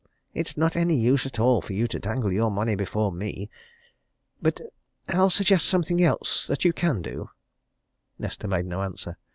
It's not any use at all for you to dangle your money before me. But I'll suggest something else that you can do." Nesta made no answer.